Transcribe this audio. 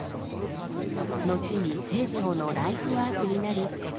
後に清張のライフワークになる古代史の探究。